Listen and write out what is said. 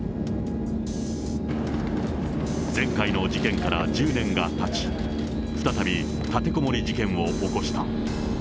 前回の事件から１０年がたち、再び立てこもり事件を起こした。